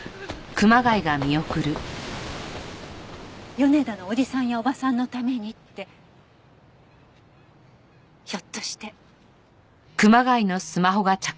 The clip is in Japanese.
米田のおじさんやおばさんのためにってひょっとして。